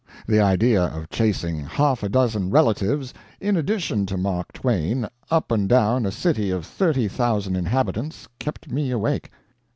The idea of chasing half a dozen relatives in addition to Mark Twain up and down a city of thirty thousand inhabitants kept me awake.